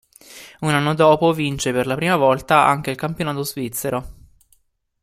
Un anno dopo vince per la prima volta anche il campionato svizzero.